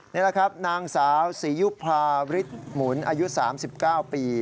นี่แหละครับนางสาวศรียุภาฤทธิ์หมุนอายุ๓๙ปี